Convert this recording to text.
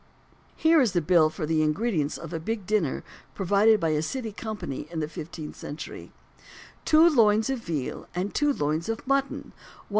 Here is the bill for the ingredients of a big dinner provided by a City Company in the fifteenth century: "Two loins of veal and two loins of mutton, 1s.